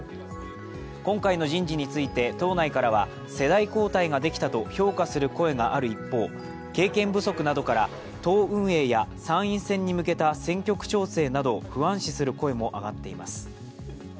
今回の人事について、党内からは世代交代ができたと評価する声がある一方、経験不足などから党運営や参院選に向けた選挙区調整などを不安視する声も上がっています。